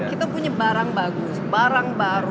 kita punya barang bagus barang baru